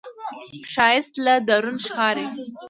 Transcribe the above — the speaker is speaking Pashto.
ښایست له درون ښکاري